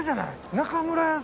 中村屋さんは。